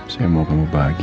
saya mau kamu bahagia